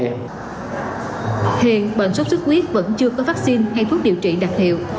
hiện bệnh sốt xuất huyết vẫn chưa có vaccine hay thuốc điều trị đặc hiệu